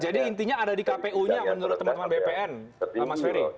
jadi intinya ada di kpu nya menurut teman teman bpn